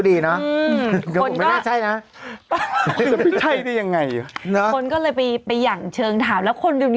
เขาเป็นเพื่อนเยอะเขาสนิทกับหลายคน